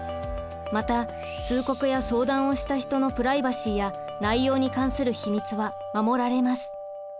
また通告や相談をした人のプライバシーや内容に関する秘密は守られます。